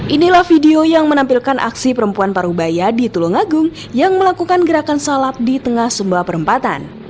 inilah video yang menampilkan aksi perempuan paruh baya di tulungagung yang melakukan gerakan sholat di tengah sumbawa perempatan